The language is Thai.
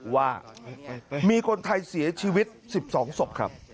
ว่ามีคนไทยเสียชีวิต๑๒ศพครับ